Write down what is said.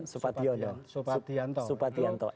supadiono supadianto supadianto